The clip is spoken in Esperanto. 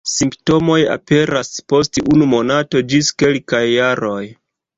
Simptomoj aperas post unu monato ĝis kelkaj jaroj.